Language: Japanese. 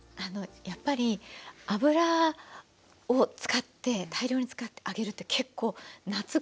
やっぱり油を使って大量に使って揚げるって結構夏きついじゃないですか。